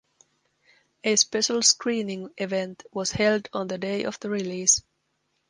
A special screening event was held on the day of the release.